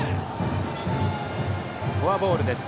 フォアボールです。